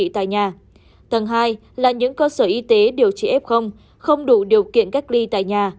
tầng hai là những cơ sở y tế điều trị f không đủ điều kiện cách ly tại nhà